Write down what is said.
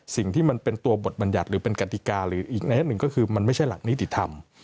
สิ่งที่มันเป็นตัวบทบัญญัติหรือเป็นกติกาหรืออีกในหนึ่งก็คือมันไม่ใช่หลักนิติธรรม